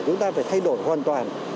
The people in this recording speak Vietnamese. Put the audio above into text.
chúng ta phải thay đổi hoàn toàn